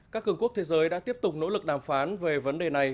các cường quốc thế giới đã tiếp tục nỗ lực đàm phán về vấn đề này